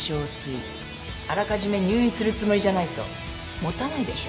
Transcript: あらかじめ入院するつもりじゃないと持たないでしょ